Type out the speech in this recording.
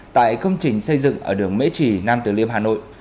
tại công trình xây dựng ở đường mễ trì nam tử liêm hà nội